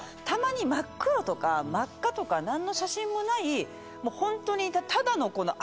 たまに真っ黒とか真っ赤とか何の写真もない。